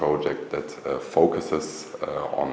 ở các quốc gia này không